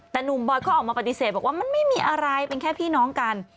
แต่หนุ่มบอยก็ออกมาปฏิเสธบอกว่ามันไม่มีอะไรเป็นแค่พี่น้องกัน